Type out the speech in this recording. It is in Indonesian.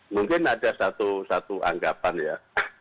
mungkin ada satu anggapan ya